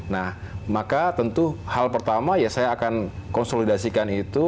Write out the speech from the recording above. nah maka tentu hal pertama ya saya akan konsolidasikan itu